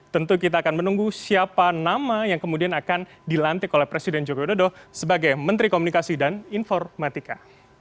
tentu kita akan menunggu siapa nama yang kemudian akan dilantik oleh presiden joko widodo sebagai menteri komunikasi dan informatika